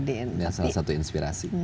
ini salah satu inspirasi